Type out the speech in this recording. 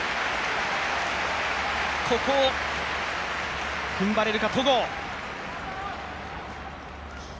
ここを踏ん張れるか、戸郷。